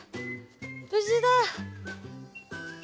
無事だ！